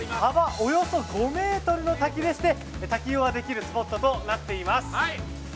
およそ５ｍの滝でして滝行ができるスポットとなっています。